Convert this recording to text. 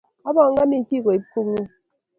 apangani chii koip kongung